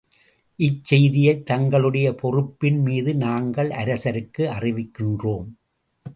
இச்செய்தியை தங்களுடைய பொறுப்பின் மீது நாங்கள் அரசருக்கு அறிவிக்கின்றோம்.